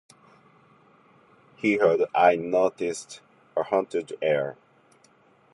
He had, I noticed, a hunted air.